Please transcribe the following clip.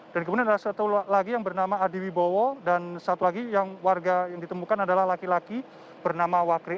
dan kemudian ada satu lagi yang bernama adiwi bowo dan satu lagi yang warga yang ditemukan adalah laki laki bernama wakri